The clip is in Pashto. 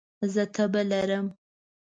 زه تبه لرم